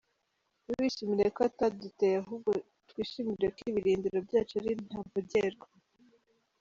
Ntiwishimire ko ataduteye, ahubwo twishimire ko ibirindiro byacu ari ntavogerwa.”